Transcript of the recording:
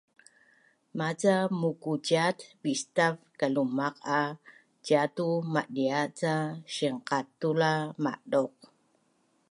Maca mukuciat bistav kalumaq a ciatu madia’ ca sinqatul a maduq